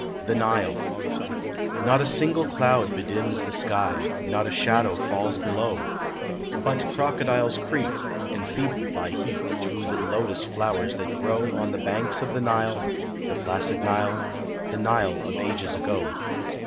THE NILE Not a single cloud bedims the sky, Not a shadow falls below, But crocodiles creep, enfeebled by heat Through the lotus flowers that grow On the banks of the Nile, the placid Nile, The Nile of ages ago.